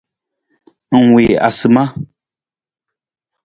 Ng wii asima.